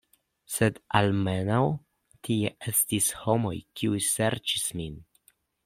Sed almenaŭ tie estis homoj, kiuj serĉis min.